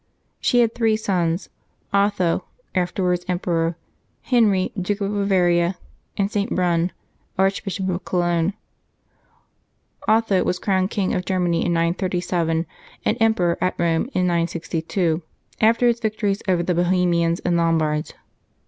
She had three sons: Otho, afterwards emperor; Henry, Duke of Bavaria; and St. Brunn, Archbishop of Cologne. Otho was crowned king of Germany in 937, and emperor at Eome in 962, after his victories over the Bohemians and Lombards.